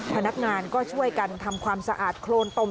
พนักงานก็ช่วยกันทำความสะอาดโครนตม